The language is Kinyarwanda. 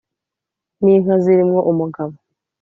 N’inka ziri mwo umugabo